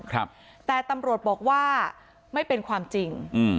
ครับแต่ตำรวจบอกว่าไม่เป็นความจริงอืม